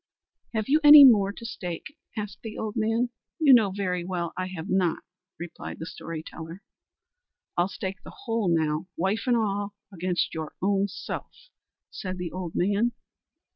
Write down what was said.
"Have you any more to stake?" asked the old man. "You know very well I have not," replied the story teller. "I'll stake the whole now, wife and all, against your own self," said the old man.